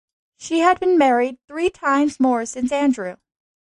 She had been married three times more since Andrew.